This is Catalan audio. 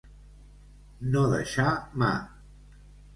No deixar mà.